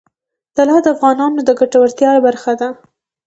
طلا د افغانانو د ګټورتیا برخه ده.